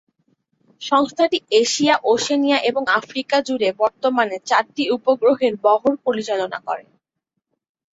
সংস্থাটি Asia, Oceania এবং Africa জুড়ে বর্তমানে চারটি উপগ্রহের বহর পরিচালনা করে।